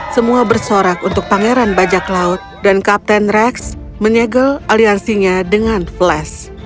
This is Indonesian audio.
semua bersorak untuk pangeran bajak laut dan kapten rex menyegel aliansinya dengan flash